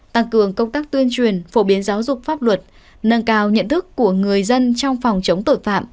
tăng cường công tác tuyên truyền phổ biến giáo dục pháp luật nâng cao nhận thức của người dân trong phòng chống tội phạm